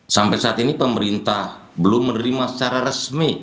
sampai saat ini pemerintah belum menerima secara resmi